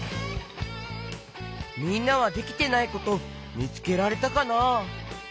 みんなはできてないことみつけられたかな？